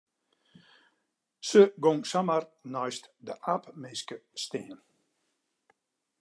Se gyng samar neist de aapminske stean.